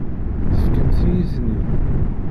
Tefkamt-iyi-ten-id.